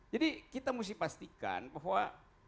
jadi kita mesti pastikan bahwa